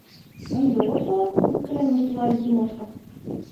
— Ынде от пале? — мыскылен воштылале Тимошка.